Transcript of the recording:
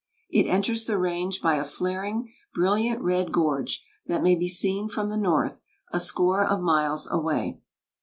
It enters the range by a flaring, brilliant red gorge, that may be seen from the north a score of miles away."